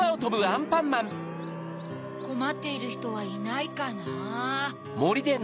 こまっているひとはいないかな？